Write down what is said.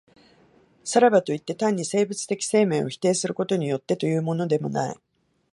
さらばといって、単に生物的生命を否定することによってというのでもない。